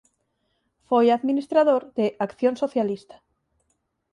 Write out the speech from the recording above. Foi administrador de "Acción Socialista".